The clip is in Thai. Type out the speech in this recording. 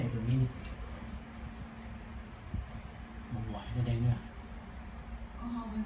ก็ไม่ค่อยมีความเกือบอาจารย์ข้าวแล้วก็อันนี้